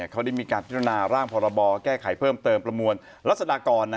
เขาได้มีการพิจารณาร่างพรบแก้ไขเพิ่มเติมประมวลรัศดากร